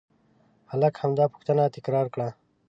هلک همدا پوښتنه تکرار کړه.